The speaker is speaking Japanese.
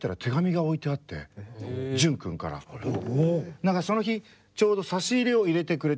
何かその日ちょうど差し入れを入れてくれた。